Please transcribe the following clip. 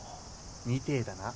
みてえだな。